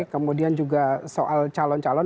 kemudian juga soal calon calon